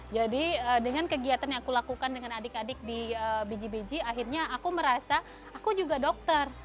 jadi dengan kegiatan yang aku lakukan dengan adik adik di biji biji akhirnya aku merasa aku juga dokter